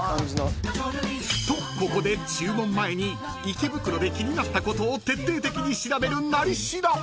［とここで注文前に池袋で気になったことを徹底的に調べる「なり調」］